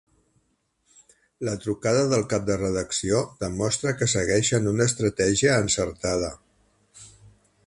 La trucada del cap de redacció demostra que segueixen una estratègia encertada.